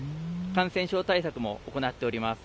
感染症対策も行っております。